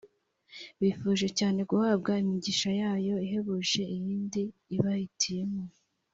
Bifuza cyane guhabwa imigisha yayo ihebuje iyindi ibahitiyemo.